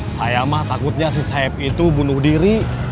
saya mah takutnya si sayap itu bunuh diri